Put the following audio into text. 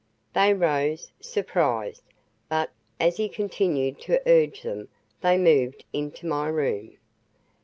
They rose, surprised, but, as he continued to urge them, they moved into my room.